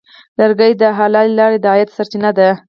لرګی د حلالې لارې د عاید سرچینه ده.